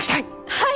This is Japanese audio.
はい！